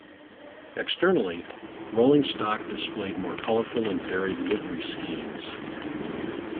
Externally, rolling stock displayed more colourful and varied livery schemes.